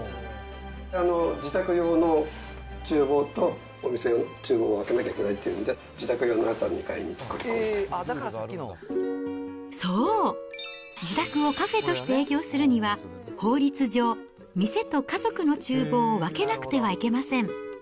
自宅用のちゅう房と、お店のちゅう房を分けなきゃいけないっていうんで、自宅用のやつそう、自宅をカフェとして営業するには、法律上、店と家族のちゅう房を分けなくてはいけません。